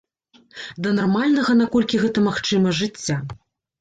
Да нармальнага, наколькі гэта магчыма, жыцця.